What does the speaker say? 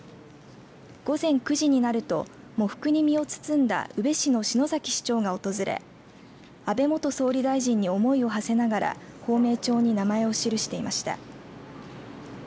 午前９時になると喪服に身を包んだ宇部市の篠崎市長が訪れ安倍元総理大臣に思いをはせながら芳名帳に名前を記していました。